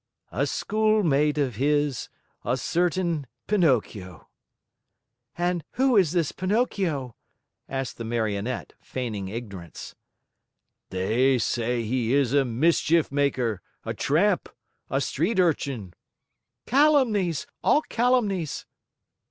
"A schoolmate of his, a certain Pinocchio." "And who is this Pinocchio?" asked the Marionette, feigning ignorance. "They say he is a mischief maker, a tramp, a street urchin " "Calumnies! All calumnies!"